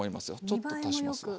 ちょっと足しますわ。